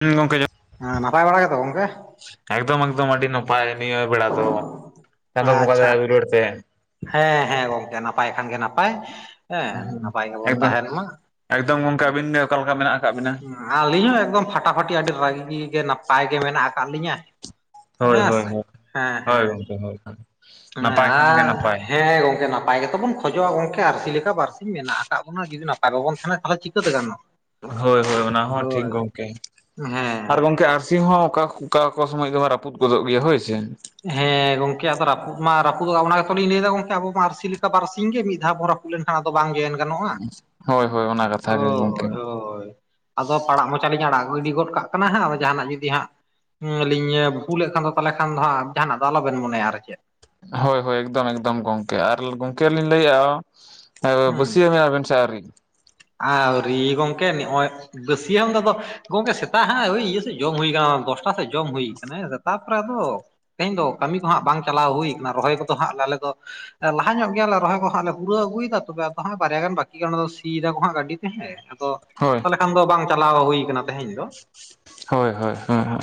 ᱦᱩᱸ ᱜᱚᱝᱠᱮ ᱡᱚ ᱦᱮᱸ ᱱᱟᱯᱟᱭ ᱵᱟᱲᱟ ᱜᱮᱛᱚ ᱜᱚᱝᱠᱮ ᱮᱠᱫᱚᱢ ᱮᱠᱫᱚᱢ ᱟᱹᱰᱤ ᱱᱟᱯᱟᱭ ᱱᱤᱭᱟ. ᱵᱮᱲᱟ ᱫᱚ ᱪᱟ. ᱫᱳ ᱵᱚᱝᱜᱟ ᱫᱟᱭᱟ ᱟᱪᱪᱷᱟ ᱫᱩᱞᱟ. ᱲᱛᱮ ᱦᱮᱸ ᱦᱮᱸ ᱜᱚᱝᱠᱮ ᱱᱟᱯᱟᱭ ᱠᱷᱟᱱ ᱜᱮ ᱱᱟᱯᱟᱭ ᱦᱮᱸ ᱱᱟᱯᱟᱭ ᱜᱮᱵᱚᱱ ᱮᱠᱫᱚᱢ ᱛᱟᱦᱮᱱ ᱢᱟ ᱾ ᱮᱠᱫᱚᱢ ᱜᱚᱢᱠᱮ ᱟᱹᱵᱤᱱ ᱜᱮ ᱚᱠᱟ ᱞᱮᱠᱟ ᱢᱮᱱᱟᱜ ᱟᱠᱟᱫ ᱵᱤᱱᱟ? ᱟᱹᱞᱤᱧ ᱦᱚᱸ ᱮᱠᱫᱚᱢ ᱯᱷᱟᱴᱟᱯᱷᱟᱴᱤ ᱟᱹᱰᱤ ᱨᱟᱹᱜᱤ ᱜᱮ ᱱᱟᱯᱟᱭ ᱜᱮ ᱢᱮᱱᱟᱜ ᱟᱠᱟᱫ ᱞᱤᱧᱟ ᱾ ᱦᱮᱸᱥᱮ ᱦᱮᱸ ᱦᱮᱸ ᱡᱟᱦᱟ ᱞᱮᱠᱟ ᱾ ᱟᱦᱻ ᱦᱮᱸ ᱜᱚᱝᱠᱮ ᱱᱟᱯᱟᱭ ᱜᱮᱛᱚ ᱵᱚᱱ ᱠᱷ ᱠᱷᱚᱡᱚᱜᱼᱟ ᱜᱚᱝᱠᱮ ᱟᱨᱥᱤ ᱞᱮᱠᱟ ᱵᱟᱨᱥᱤᱧ ᱢᱮᱱᱟᱜ ᱟᱠᱟᱫ ᱵᱚᱱᱟ ᱡᱩᱫᱤ ᱱᱟᱯᱟᱭ ᱵᱟᱵᱚᱱ ᱛᱟᱦᱮᱸᱱᱟ ᱛᱟᱦᱚᱞᱮ ᱪᱤᱠᱟᱹᱛᱮ ᱜᱟᱱᱚᱼᱟ, ᱦᱳᱭ ᱦᱳᱭ ᱚᱱᱟ ᱦᱚᱸ ᱴᱷᱤᱠ ᱜᱚᱢᱠᱮ ᱦᱮᱸ ᱟᱨ ᱜᱚᱢᱠᱮ ᱟᱹᱨᱥᱤ ᱦᱚᱸ ᱚᱠᱟ ᱠᱷ ᱚᱠᱟ ᱚᱠᱟ ᱥᱚᱢᱚᱭ ᱫᱚ ᱨᱟᱹᱯᱩᱫ ᱜᱚᱫᱚᱜ ᱜᱮᱭᱟ ᱦᱳᱭ ᱥᱮ, ᱦᱮᱸ ᱜᱚᱝᱠᱮ ᱟᱫᱚ ᱨᱟᱯᱩᱫ ᱢᱟ ᱨᱟᱯᱩᱫᱚᱜ ᱚᱱᱟ ᱜᱮᱛᱚᱞᱤᱧ ᱞᱟᱹᱭ ᱮᱫᱟ ᱜᱚᱝᱠᱮ ᱟᱵᱚ ᱢᱟ ᱟᱹᱨᱥᱤ ᱞᱮᱠᱟ ᱵᱟᱨᱥᱤᱧ ᱜᱮ ᱢᱤᱫ ᱫᱷᱟᱣ ᱵᱚ ᱨᱟ ᱨᱟᱯᱩᱫ ᱞᱮᱱᱠᱷᱟᱱ ᱟᱫᱚ ᱵᱟᱝ ᱡᱚᱭᱮᱱ ᱜᱟᱱᱚᱜᱼᱟ ᱦᱳᱭ ᱦᱳᱭ ᱚᱱᱟ ᱠᱟᱛᱷᱟ ᱜᱮ ᱜᱚᱝᱠᱮ ᱦᱳᱭ ᱦᱳᱭ ᱟᱫᱚ ᱯᱟᱲᱟᱜ ᱢᱚᱪ ᱪᱟ ᱛᱟᱞᱤᱧ ᱟᱲᱟᱜ ᱜᱤᱰᱤ ᱜᱚᱫ ᱠᱟᱜ ᱠᱟᱱᱟ ᱦᱟᱸᱜ ᱟᱫᱚ ᱡᱟᱦᱟᱱᱟᱜ ᱡᱩᱫᱤ ᱦᱟᱸᱜ ᱞᱤᱧ ᱵᱷᱩᱞᱮᱫ ᱠᱷᱟᱱ ᱫᱚ ᱛᱟᱦᱞᱮ ᱠᱷᱟᱱ ᱫᱚ ᱦᱟᱸᱜ ᱡᱟᱦᱟᱱᱟᱜ ᱫᱚ ᱟᱞᱚᱵᱮᱱ ᱢᱚᱱᱮᱭᱟ ᱟᱨ ᱪᱮᱫ, ᱦᱳᱭ ᱦᱳᱭ ᱮᱠᱫᱚᱢ ᱮᱠᱫᱚᱢ ᱜᱚᱢᱠᱮ ᱟᱨ ᱜᱚᱝᱠᱮ ᱞᱤᱧ ᱞᱟᱹᱭᱮᱜᱼᱟ ᱵᱟᱹᱥᱭᱟᱹᱢ ᱮᱜᱼᱟ ᱵᱮᱱ ᱥᱮ ᱟᱣᱨᱤ? ᱟᱣᱨᱤ ᱜᱚᱢᱠᱮ ᱱᱚᱜᱼᱚᱭ ᱵᱟᱹᱥᱭᱟᱹᱢ ᱫᱚ ᱟᱫᱚ ᱜᱚᱢᱠᱮ ᱥᱮᱛᱟᱜ ᱦᱟᱸᱜ ᱳᱭ ᱤᱭᱟᱹ ᱥᱮᱫ ᱡᱚᱢ ᱦᱩᱭ ᱠᱟᱱᱟ ᱫᱚᱥᱴᱟ ᱥᱮᱡ ᱡᱚᱢ ᱦᱩᱭ ᱠᱟᱱᱟ ᱦᱮᱸᱥᱮ ᱛᱟᱯᱚᱨᱮ ᱟᱫᱚ, ᱛᱮᱦᱮᱧ ᱫᱚ ᱠᱟᱹᱢᱤ ᱠᱚ ᱦᱟᱸᱜ ᱵᱟᱝ ᱪᱟᱞᱟᱣ ᱦᱩᱭ ᱠᱟᱱᱟ ᱨᱚᱦᱚᱭ ᱠᱚᱫᱚ ᱦᱟᱸᱜ ᱞᱮ ᱟᱞᱮ ᱫᱚ ᱞᱟᱦᱟ ᱧᱚᱜ ᱜᱮᱭᱟᱞᱮ ᱨᱚᱦᱚᱭ ᱠᱚ ᱦᱟᱸᱜ ᱞᱮ ᱯᱩᱨᱟᱹᱣ ᱟᱹᱜᱩᱭᱮᱫᱟ ᱛᱚᱵᱮ ᱟᱫᱚ ᱦᱟᱸᱜ ᱵᱟᱨᱭᱟ ᱜᱟᱱ ᱵᱟᱠᱤ ᱜᱮ ᱚᱱᱟ ᱫᱚ ᱥᱤ ᱥᱤ ᱫᱟᱠᱚ ᱦᱟᱸᱜ ᱜᱟᱹᱰᱤ ᱛᱮᱦᱮᱸ ᱟᱫᱚ ᱦᱳᱭ ᱛᱟᱦᱚᱞᱮ ᱠᱷᱟᱱ ᱫᱚ ᱵᱟᱝ ᱪᱟᱞᱟᱣ ᱦᱩᱭ ᱠᱟᱱᱟ ᱾ [inaudible] ᱦᱳᱭ ᱦᱳᱭ ᱦᱮᱸ ᱦᱮᱸ